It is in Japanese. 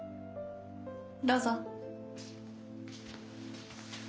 どうぞ。